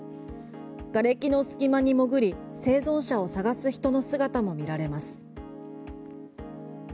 がれきの隙間に潜り生存者を捜す人の姿も見られます。